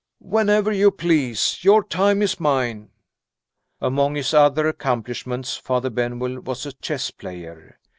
"Whenever you please. Your time is mine." Among his other accomplishments, Father Benwell was a chess player.